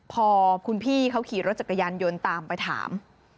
พอคุณพี่เขาขี่รถจักรยานยนต์ตามไปถาม